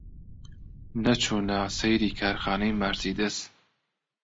نەچوونە سەیری کارخانەی مارسیدس؟